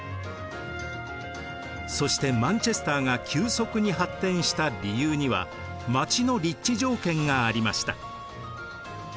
そしてマンチェスターが急速に発展した理由には町の立地条件がありました。